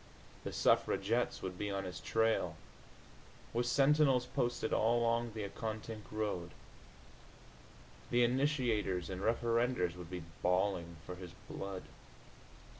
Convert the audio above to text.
The suffragettes would be on his trail, with sentinels posted all along the Accotink road. The initiators and referendors would be bawling for his blood.